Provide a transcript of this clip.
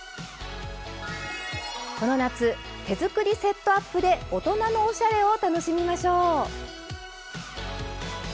この夏手作りセットアップで大人のおしゃれを楽しみましょう。